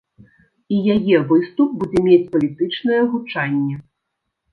І яе выступ будзе мець палітычнае гучанне.